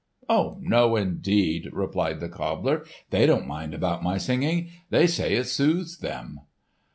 "No, indeed," replied the cobbler, "they don't mind about my singing. They say it soothes them."